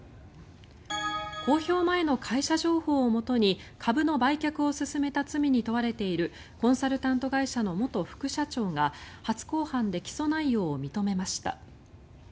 公表前の会社情報をもとに株の売却を勧めた罪に問われているコンサルタント会社の元副社長が初公判で起訴内容を認めました。